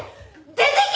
出ていけ！